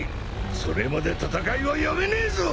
それまで戦いはやめねえぞ！